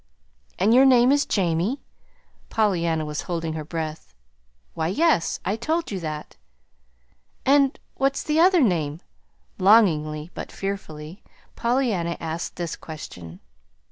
"And your name is Jamie?" Pollyanna was holding her breath. "Why, yes, I told you that." "And what's the other name?" Longingly, but fearfully, Pollyanna asked this question.